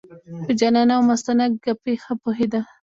په جانانه او مستانه ګپې ښه پوهېده.